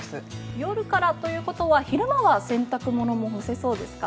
夜からということは昼間は洗濯物を干せそうですか？